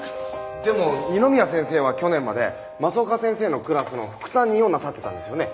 でも二宮先生は去年まで増岡先生のクラスの副担任をなさってたんですよね？